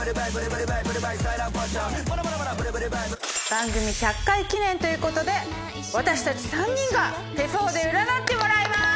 番組１００回記念ということで私たち３人が手相で占ってもらいまーす！